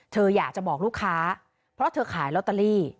เธออยากจะบอกลูกค้าเพราะเธอขายลอตเตอรี่